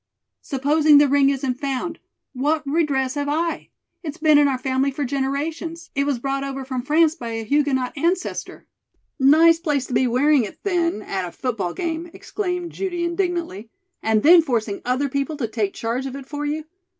"Supposing the ring isn't found, what redress have I? It's been in our family for generations. It was brought over from France by a Huguenot ancestor " "Nice place to be wearing it, then, at a football game!" exclaimed Judy indignantly. "And then forcing other people to take charge of it for you!